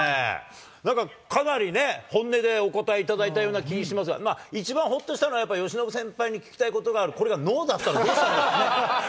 なんか、かなりね、本音でお答えいただいたような気しますが、一番ほっとしたのは、やっぱり由伸先輩に聞きたいことがある、これがＮＯだったらどうしたらいいかね。